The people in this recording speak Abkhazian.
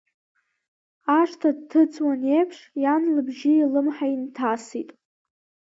Ашҭа дҭыҵуан еиԥш, иан лыбжьы илымҳа инҭасит…